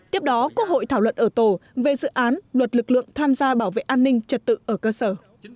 tiếp đó quốc hội thảo luận ở tổ về dự án luật lực lượng tham gia bảo vệ an ninh trật tự ở cơ sở